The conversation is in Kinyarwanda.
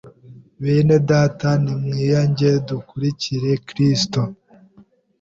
Bene data ni mwiyange dukurikire kristo